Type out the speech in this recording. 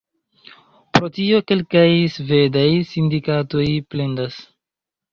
Pro tio, kelkaj svedaj sindikatoj plendas.